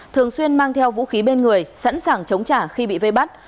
thường xuyên mang theo vũ khí bên người sẵn sàng chống trả khi bị vây bắt